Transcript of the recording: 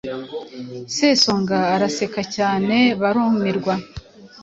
Sesonga araseka cyane barumirwa